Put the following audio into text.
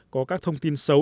có các thông tin xấu